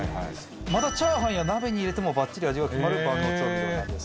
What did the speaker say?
またチャーハンや鍋に入れてもバッチリ味が決まる万能調味料なんです。